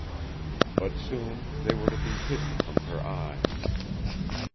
But soon they were to be hidden from her eye.